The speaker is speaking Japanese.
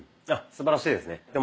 あっすばらしいですね。